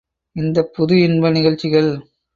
இந்தப் புது இன்ப நிகழ்ச்சிகள்.